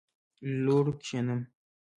لوړ کښېنم.